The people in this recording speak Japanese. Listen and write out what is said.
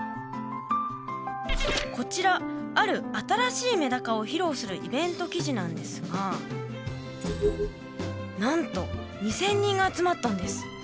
こちらある新しいメダカを披露するイベント記事なんですがなんと２，０００人が集まったんです。